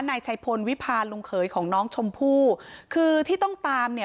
นายชัยพลวิพาลลุงเขยของน้องชมพู่คือที่ต้องตามเนี่ย